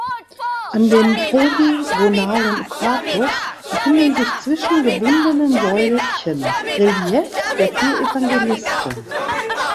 An dem polygonalen Korpus befinden sich zwischen gewundenen Säulchen Reliefs der vier Evangelisten.